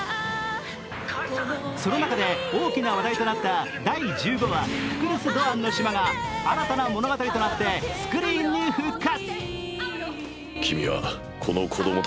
その中で大きな話題となった第１５話「ククルス・ドアンの島」が新たな物語となってスクリーンに復活。